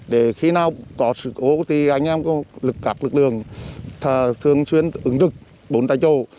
để khi nào có sự hỗn hợp thì anh em có các lực lượng thường xuyên ứng dựng bốn tay chồ